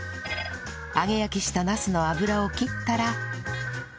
揚げ焼きしたナスの油を切ったら